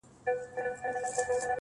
دایمی به یې وي برخه له ژوندونه،،!